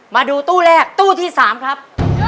มาดูตู้แรกตู้ที่๓ครับ